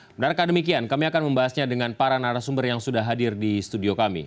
dan karena demikian kami akan membahasnya dengan para narasumber yang sudah hadir di studio kami